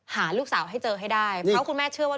หาลูกสาวให้เจอให้ได้เพราะคุณแม่เชื่อว่า